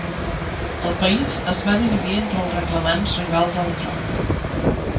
El país es va dividir entre els reclamants rivals al tron.